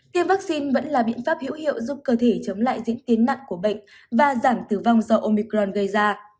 tiêm vaccine vẫn là biện pháp hữu hiệu giúp cơ thể chống lại diễn tiến nặng của bệnh và giảm tử vong do omicron gây ra